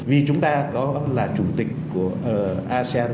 vì chúng ta có là chủ tịch của asean